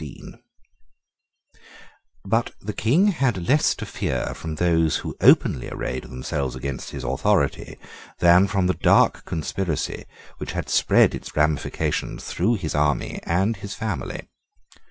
But the King had less to fear from those who openly arrayed themselves against his authority, than from the dark conspiracy which had spread its ramifications through his army and his family.